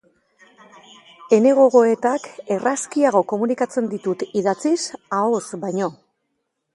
Ene gogoetak errazkiago komunikatzen ditut idatziz ahoz baino.